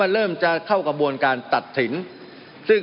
มันมีมาต่อเนื่องมีเหตุการณ์ที่ไม่เคยเกิดขึ้น